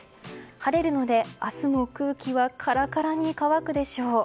晴れるので明日も空気はカラカラに乾くでしょう。